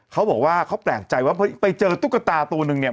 เขาบอกว่าเขาแปลกใจว่าไปเจอตุ๊กตาตัวนึงเนี่ย